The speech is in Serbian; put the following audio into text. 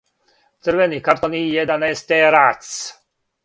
Црвени картон и једанаестерац.